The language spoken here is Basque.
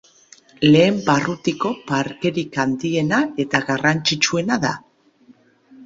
Lehen barrutiko parkerik handiena eta garrantzitsuena da.